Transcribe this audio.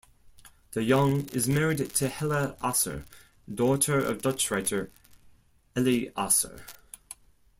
De Jonge is married to Hella Asser, daughter of Dutch writer Eli Asser.